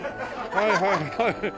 はいはいはい。